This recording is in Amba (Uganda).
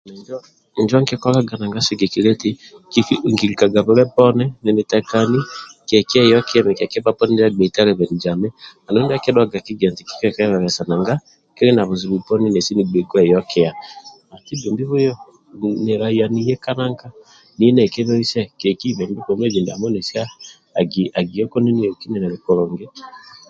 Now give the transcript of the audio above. Injo nkikolaga nanga nkilikaga nanga sigikilia eti nkilikaga bwile poni ninitekani kekiyokie mikia kima poni ndia agbeibe talabanizami andulu ndia akidhuaga nigie eti kikiekebelisa nanga kili na buzibu uponi nigbei kieyokia hati buye nilaya kwekebelisa jekibembe bwomezi ndiamo nesi akiya kuni nioki ninili kulungi